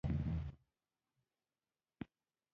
هیلې له لنډ ځنډ وروسته خپله کیسه اوږده کړه